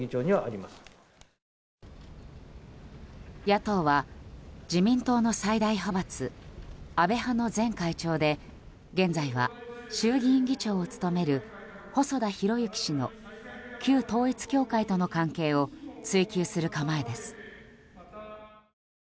野党はかつて自民党の最大派閥安倍派の前会長で現在は衆議院議長を務める細田博之氏の旧統一教会との関係を追及する構えです。